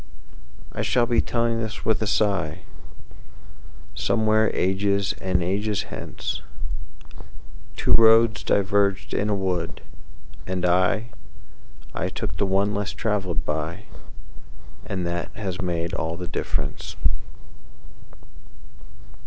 I shall be telling this with a sighSomewhere ages and ages hence:Two roads diverged in a wood, and I—I took the one less traveled by, And that has made all the difference.